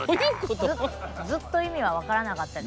ずっと意味は分からなかったです。